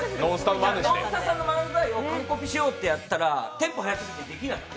ノンスタさんの漫才を完コピしようって言ったら、テンポが早くてできなくて。